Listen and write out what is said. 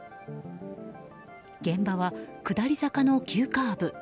現場は下り坂の急カーブ。